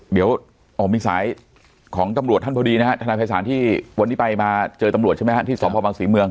เดี๋ยวมีสายของตำรวจท่านพอดีนะฮะทนายภัยศาลที่วันนี้ไปมาเจอตำรวจใช่ไหมฮะที่สพบังศรีเมือง